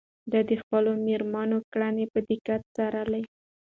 ده د خپلو مامورينو کړنې په دقت څارلې.